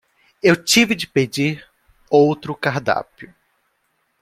Eu tive de pedir outro cardápio